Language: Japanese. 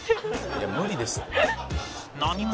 「いや無理ですって」